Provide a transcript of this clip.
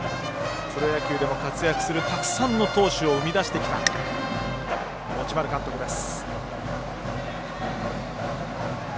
プロ野球でも活躍するたくさんの投手を生み出してきた持丸監督です。